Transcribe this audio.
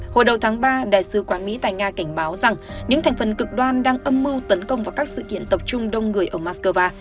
hồi đầu tháng ba đại sứ quán mỹ tại nga cảnh báo rằng những thành phần cực đoan đang âm mưu tấn công vào các sự kiện tập trung đông người ở moscow